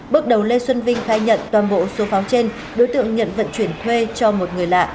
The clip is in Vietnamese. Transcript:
bước đầu lê xuân vinh khai nhận toàn bộ số pháo trên đối tượng nhận vận chuyển thuê cho một người lạ